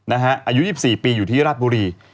อายุ๒๔ปีอยู่ที่ราชบุรี